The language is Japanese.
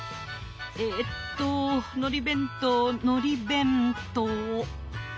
えとのり弁当のり弁当。